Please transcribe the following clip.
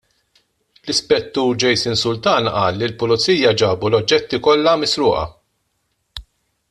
L-Ispettur Jason Sultana qal li l-pulizija ġabu l-oġġetti kollha misruqa.